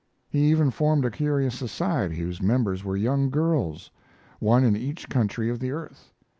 He even formed a curious society, whose members were young girls one in each country of the earth.